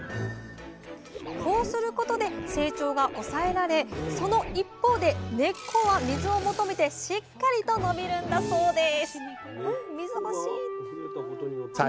こうすることで成長が抑えられその一方で根っこは水を求めてしっかりと伸びるんだそうです